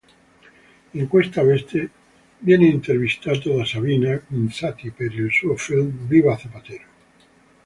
In questa veste viene intervistato da Sabina Guzzanti per il suo film Viva Zapatero!